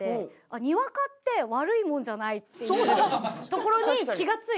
ニワカって悪いもんじゃないっていうところに気が付いて。